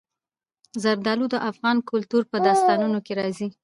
زردالو د افغان کلتور په داستانونو کې راځي.